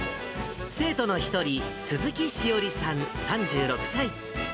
生徒の一人、鈴木詩織さん３６歳。